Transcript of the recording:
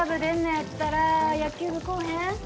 やったら野球部来おへん？